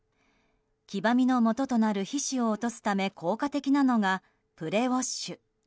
黄ばみのもととなる皮脂を落とすため効果的なのがプレウォッシュ。